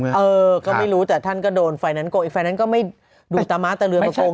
เออก็ไม่รู้แต่ท่านก็โดนไฟแนนซงอีกไฟแนนซ์ก็ไม่ดูตาม้าตะเรือนประโกง